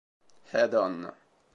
Head On